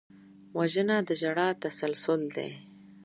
وژنه د ژړا تسلسل دی